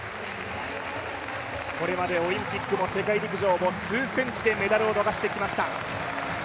これまでオリンピックも世界陸上も数センチでメダルを逃してきました。